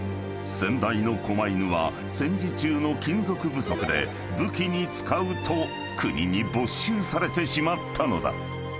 先代の狛犬は戦時中の金属不足で武器に使うと国に没収されてしまったのだ］